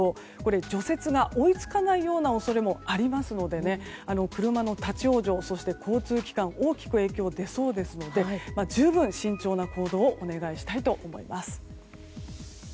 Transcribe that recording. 除雪が追い付かないような恐れもありますので車の立ち往生、交通機関に大きく影響が出そうですので十分、慎重な行動をお願いしたいと思います。